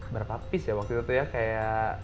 berapa piece ya waktu itu kayak tiga puluh